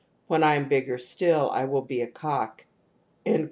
When I am bigger still, I shall be a cock."